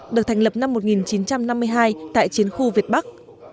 được thành lập năm một nghìn chín trăm năm mươi hai tại chiến khu việt bắc